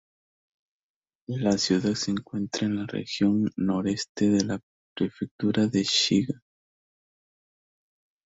La ciudad se encuentra en la región noreste de la prefectura de Shiga.